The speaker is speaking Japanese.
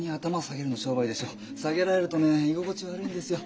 下げられるとね居心地悪いんですよ。